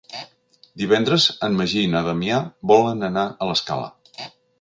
Divendres en Magí i na Damià volen anar a l'Escala.